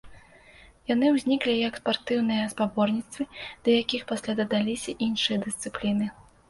Яны ўзніклі як спартыўныя спаборніцтвы, да якіх пасля дадаліся іншыя дысцыпліны.